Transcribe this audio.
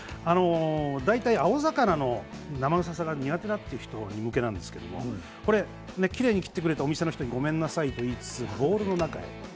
大体、青魚の生臭さが苦手だという人向けなんですけれどきれいに切ってくれてお店の人ごめんなさいと言いつつボウルの中へ。